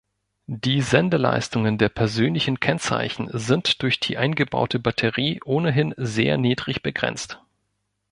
Die Sendeleistungen der persönlichen Kennzeichen sind durch die eingebaute Batterie ohnehin sehr niedrig begrenzt.